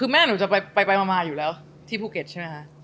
แม่หนูจะไปประมาณอยู่แล้วที่ภูเขตใช่มั้ยฮะ